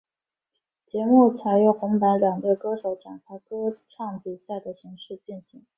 节目采由红白两队歌手展开歌唱比赛的形式进行。